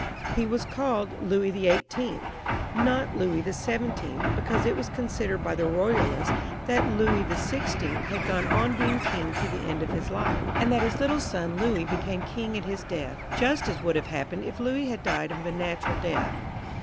He was called Louis XVIIL; not Louis XVII., be cause it was considered by the Boyalists that Louis XVI. had gone on being king to the end of his life, and that his little son Louis became king at his death, just as would have happened if Louis had died a natural death.